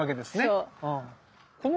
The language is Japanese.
そう。